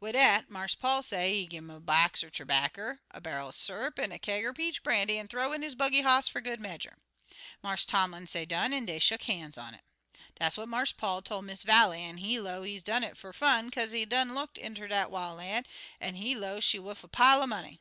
Wid dat, Marse Paul say he'd gi' 'im a box er terbarker, a bairl er syr'p, an' a kaig er peach brandy an' th'ow in his buggy hoss fer good medjer. Marse Tomlin say 'done' an' dey shuck han's on it. Dat what Marse Paul tol' Miss Vallie, an he 'low he des done it fer fun, kaze he done looked inter dat wil' lan', an' he low she's wuff a pile er money.